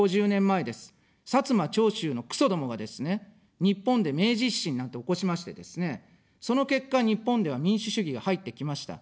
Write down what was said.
摩・長州のくそどもがですね、日本で明治維新なんて起こしましてですね、その結果、日本では民主主義が入ってきました。